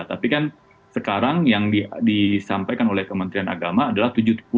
tapi kan sekarang yang disampaikan oleh kementerian agama adalah tujuh puluh delapan